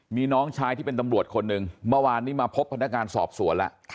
มีน้องชายที่เป็นตำรวจคนหนึ่งเมื่อวานนี้มาพบพนักงานสอบสวนแล้ว